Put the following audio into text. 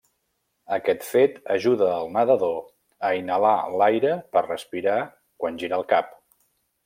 Aquest fet ajuda el nedador a inhalar l'aire per respirar quan gira el cap.